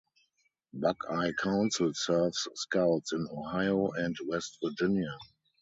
Buckeye Council serves Scouts in Ohio and West Virginia.